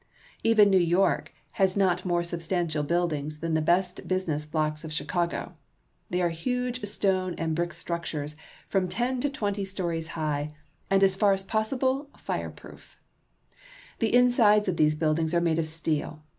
Even New York has not more substantial buildings than the best business blocks of Chicago. They are huge stone and brick structures from ten to twenty stories high, and 228 CHICAGO. as far as possible fireproof; The insides of these buildings are made of steel.